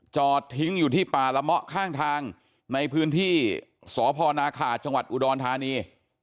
จอดทิ้งอยู่ที่ป่าละเมาะข้างทางในพื้นที่สพนาขาจังหวัดอุดรธานี